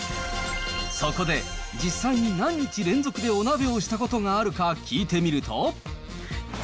そこで、実際に何日連続でお鍋をしたことがあるか聞いてみると。